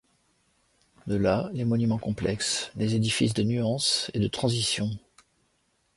De là les monuments complexes, les édifices de nuance et de transition.